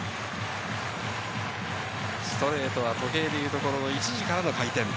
ストレートは時計でいうところの１時からの回転。